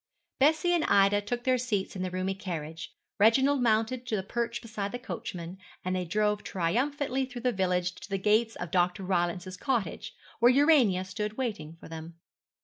Bessie and Ida took their seats in the roomy carriage, Reginald mounted to the perch beside the coachman, and they drove triumphantly through the village to the gate of Dr. Rylance's cottage, where Urania stood waiting for them.